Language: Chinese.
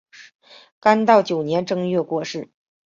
干道九年正月过世。